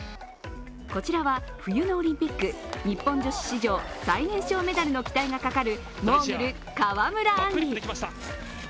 こちらは冬のオリンピック、日本女子史上最年少メダルの期待がかかるモーグル・川村あんり。